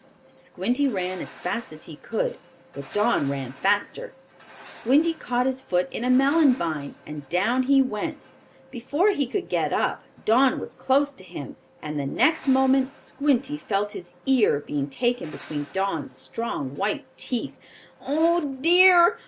Squinty ran as fast as he could, but Don ran faster. Squinty caught his foot in a melon vine, and down he went. Before he could get up Don was close to him, and, the next moment Squinty felt his ear being taken between Don's strong, white teeth. "Oh dear!